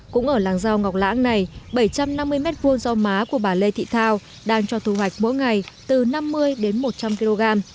cũng ở làng rau ngọc lãng này bảy trăm năm mươi m hai rau má của bà lê thị thao đang cho thu hoạch mỗi ngày từ năm mươi đến một trăm linh kg